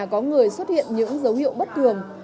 có người xuất hiện những dấu hiệu bất thường